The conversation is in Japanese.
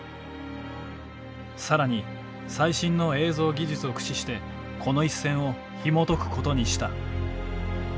更に最新の映像技術を駆使してこの一戦をひもとくことにした。